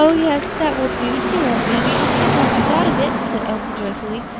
yes, that will do; dear old mammy, I'm so glad you thought of it," said Elsie, joyfully.